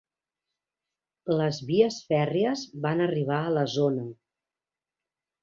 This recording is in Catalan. Les vies fèrries van arribar a la zona.